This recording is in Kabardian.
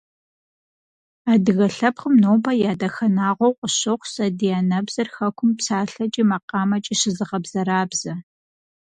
Адыгэ лъэпкъым нобэ я дахэнагъуэу къысщохъу сэ ди анэбзэр хэкум псалъэкӀи макъамэкӀи щызыгъэбзэрабзэ.